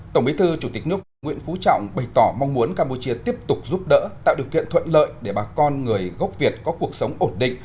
tổng bí thư chủ tịch nước nguyễn phú trọng bày tỏ mong muốn campuchia tiếp tục giúp đỡ tạo điều kiện thuận lợi để bà con người gốc việt có cuộc sống ổn định